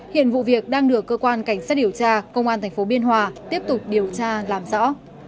hiện vụ việc đang được cơ quan cảnh sát điều tra công an tp biên hòa tiếp tục điều tra làm rõ